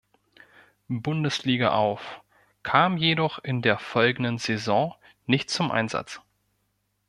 Bundesliga auf, kam jedoch in der folgenden Saison nicht zum Einsatz.